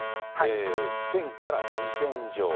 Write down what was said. １０００から２０００錠。